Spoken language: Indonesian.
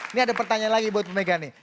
ini ada pertanyaan lagi buat bu mega nih